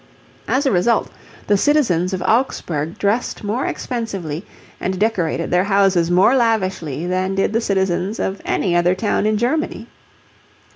As a result the citizens of Augsburg dressed more expensively and decorated their houses more lavishly than did the citizens of any other town in Germany.